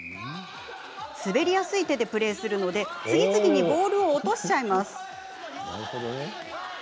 滑りやすい手でプレーするので次々にボールを落としちゃいます。